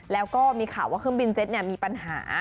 แล้วก็มีข่าวว่าเครื่องบินเจ็ตมีปัญหา